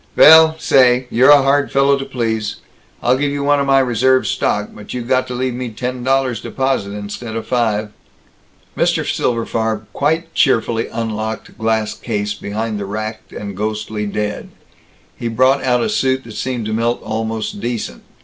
"Vell say, you're a hard fellow to please. I'll give you one of my reserve stock, but you got to leave me ten dollars deposit instead of five." Mr. Silberfarb quite cheerfully unlocked a glass case behind the racked and ghostly dead; he brought out a suit that seemed to Milt almost decent.